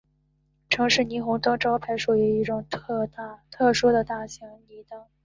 城市霓虹灯招牌属于一种特殊的大型氖灯。